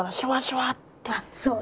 そう！